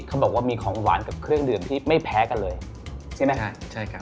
เขาบอกว่ามีของหวานกับเครื่องดื่มที่ไม่แพ้กันเลยใช่ไหมฮะใช่ครับ